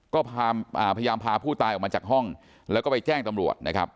ก็พยายามพาผู้ตายออกมาจากห้องแล้วก็ไปแจ้งตำรวจนะครับ